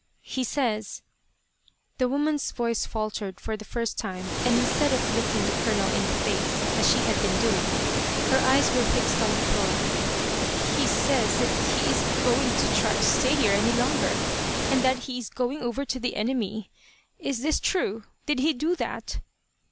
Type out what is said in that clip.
"He says," the woman's voice faltered for the first time, and instead of looking the Colonel in the face, as she had been doing, her eyes were fixed on the floor "he says that he isn't going to try to stay here any longer, and that he is going over to the enemy. Is this true? Did he do that?"